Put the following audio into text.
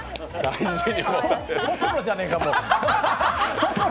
トトロじゃねえか、もう。